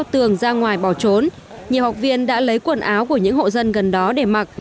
tường ra ngoài bỏ trốn nhiều học viên đã lấy quần áo của những hộ dân gần đó để mặc